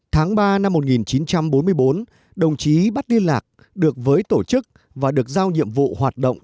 tháng ba năm một nghìn chín trăm bốn mươi bốn đồng chí bắt liên lạc được với tổ chức và được giao nhiệm vụ hoạt động